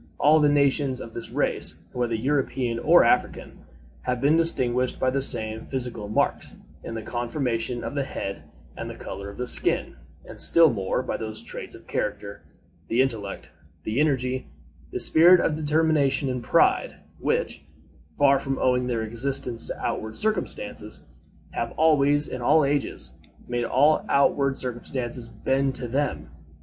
All the nations of this race, whether European or African, have been distinguished by the same physical marks in the conformation of the head and the color of the skin, and still more by those traits of character the intellect, the energy, the spirit of determination and pride which, far from owing their existence to outward circumstances, have always, in all ages, made all outward circumstances bend to them.